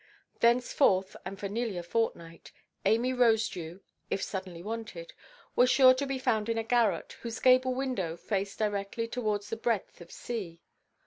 Thenceforth, and for nearly a fortnight, Amy Rosedew, if suddenly wanted, was sure to be found in a garret, whose gable–window faced directly towards the breadth of sea.